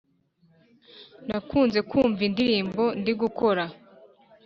nakunze kumva indirimbo ndigukora